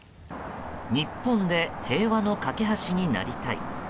日本で平和の懸け橋になりたい。